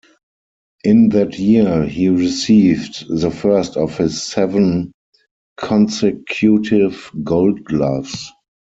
In that year he received the first of his seven consecutive Gold Gloves.